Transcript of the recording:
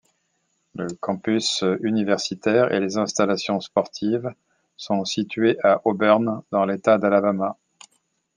Le campus universitaire et les installations sportives sont situées à Auburn dans l'État d'Alabama.